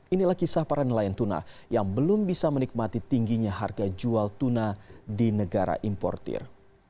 inilah kisah para nelayan tuna yang belum bisa menikmati tingginya harga jual tuna di negara importir